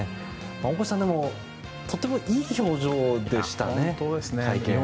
大越さんでも、とてもいい表情でしたね会見では。